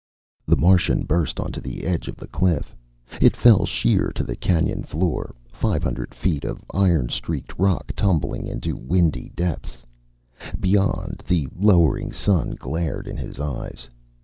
The Martian burst onto the edge of the cliff. It fell sheer to the canyon floor, five hundred feet of iron streaked rock tumbling into windy depths. Beyond, the lowering sun glared in his eyes.